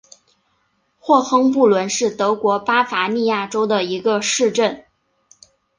霍亨布伦是德国巴伐利亚州的一个市镇。